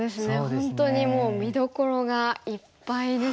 本当にもう見どころがいっぱいですね。